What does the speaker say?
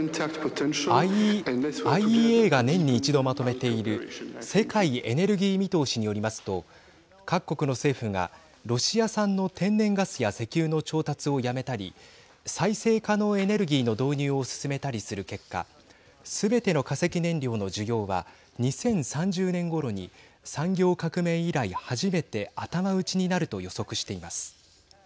ＩＥＡが年に一度まとめている世界エネルギー見通しによりますと各国の政府がロシア産の天然ガスや石油の調達をやめたり再生可能エネルギーの導入を進めたりする結果すべての化石燃料の需要は２０３０年ごろに産業革命以来、初めて頭打ちになると予測しています。